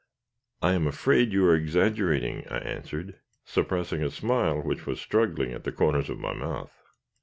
"I am afraid you are exaggerating," I answered, suppressing a smile which was struggling at the corners of my mouth.